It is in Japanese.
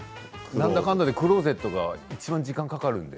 何だかんだでクローゼットがいちばん時間がかかるので。